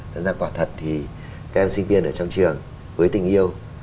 thật ra quả thật thì các em sinh viên ở trong trường với tình yêu